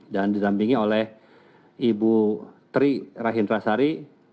dan disampingi oleh ibu tri rahindra sari